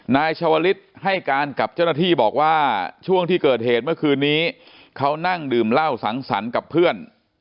นายชาวลิศให้การกับเจ้าหน้าที่บอกว่าช่วงที่เกิดเหตุเมื่อคืนนี้เขานั่งดื่มเหล้าสังสรรค์กับเพื่อน